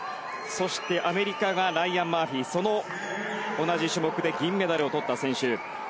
そして、アメリカがライアン・マーフィーその同じ種目で銀メダルを取った選手。